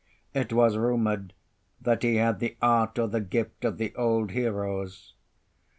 It was rumoured that he had the art or the gift of the old heroes.